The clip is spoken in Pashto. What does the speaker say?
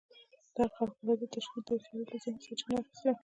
دغه خارق العاده تشکيل د يوه سړي له ذهنه سرچينه اخيستې وه.